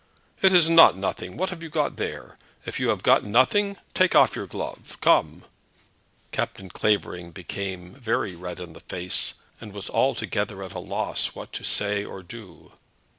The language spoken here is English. "It is not nothing. What have you got there? If you have got nothing, take off your glove. Come." Captain Clavering became very red in the face, and was altogether at a loss what to say or do.